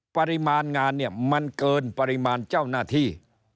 ปริมาณงานเนี่ยมันเกินปริมาณเจ้าหน้าที่